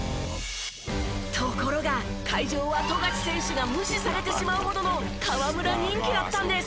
ところが会場は富樫選手が無視されてしまうほどの河村人気だったんです。